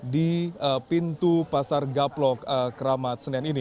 di pintu pasar gaplok keramat senen ini